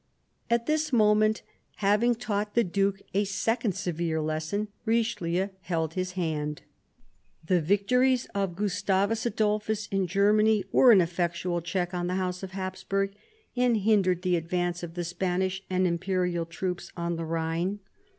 At this moment, having taught the Duke a second severe lesson, Richelieu held his hand. The victories of Gustavus Adolphus in Germany were an effectual check on the house of Hapsburg, and hindered the advance of the Spanish and Imperial troops on the Rhine.